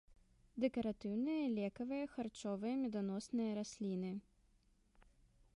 Дэкаратыўныя, лекавыя, харчовыя, меданосныя расліны.